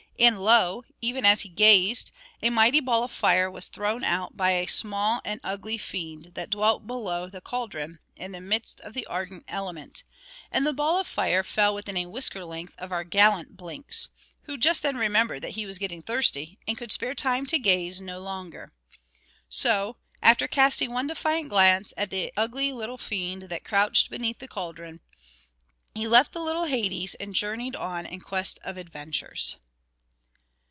And lo! even as he gazed, a mighty ball of fire was thrown out by a small and ugly fiend, that dwelt below the cauldron in the midst of the ardent element; and the ball of fire fell within a whisker length of our gallant Blinks, who just then remembered that he was getting thirsty, and could spare time to gaze no longer. So, after casting one defiant glance at the ugly little fiend that crouched beneath the cauldron, he left the little Hades and journeyed on in quest of adventures.